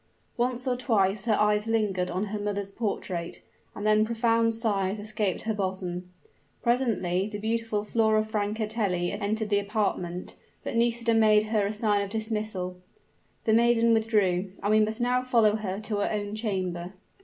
Once or twice her eyes lingered on her mother's portrait; and then profound sighs escaped her bosom. Presently the beautiful Flora Francatelli entered the apartment; but Nisida made her a sign of dismissal. The maiden withdrew; and we must now follow her to her own chamber.